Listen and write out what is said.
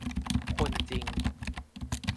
คนจริง ?